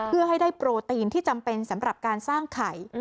เพื่อให้ได้โปรตีนที่จำเป็นสำหรับการสร้างไข่